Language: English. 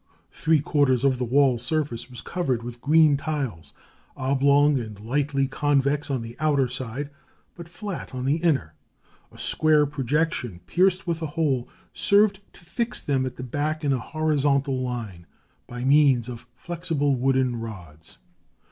Three quarters of the wall surface was covered with green tiles, oblong and lightly convex on the outer side, but flat on the inner: a square projection pierced with a hole served to fix them at the back in a horizontal line by means of flexible wooden rods.